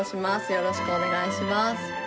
よろしくお願いします。